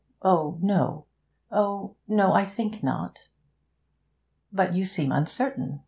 Oh no! Oh no, I think not!' 'But you seem uncertain.